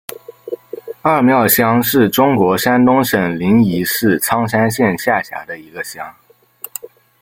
二庙乡是中国山东省临沂市苍山县下辖的一个乡。